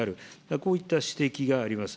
こういった指摘があります。